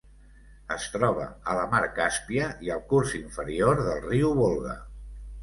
Es troba a la Mar Càspia i al curs inferior del riu Volga.